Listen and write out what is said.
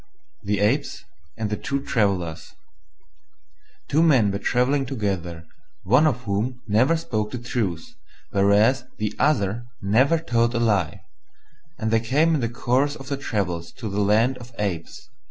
THE APES AND THE TWO TRAVELLERS Two men were travelling together, one of whom never spoke the truth, whereas the other never told a lie: and they came in the course of their travels to the land of Apes.